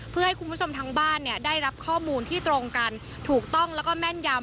เพื่อให้คุณผู้ชมทั้งบ้านเนี่ยได้รับข้อมูลที่ตรงกันถูกต้องแล้วก็แม่นยำ